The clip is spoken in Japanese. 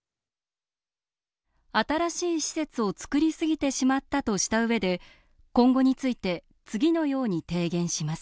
新しい施設を造りすぎてしまったとしたうえで今後について次のように提言します